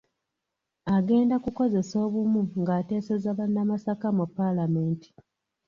Agenda kukozesa obumu ng'ateeseza bannamasaka mu paalamenti.